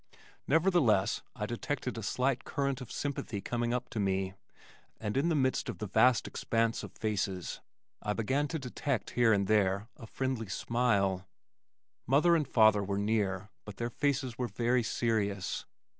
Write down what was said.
Nevertheless I detected a slight current of sympathy coming up to me, and in the midst of the vast expanse of faces, I began to detect here and there a friendly smile. Mother and father were near but their faces were very serious.